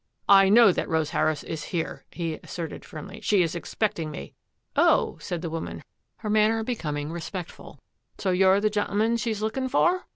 " I know that Rose Harris is here," he asserted firmly. " She is expecting me." " Oh," said the woman, her manner becoming respectful, " so you're the gentleman she's lookin* for?"